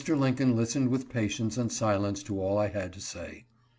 Lincoln listened with patience and silence to all I had to say.